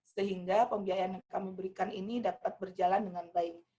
sehingga pembiayaan yang kami berikan ini dapat berjalan dengan baik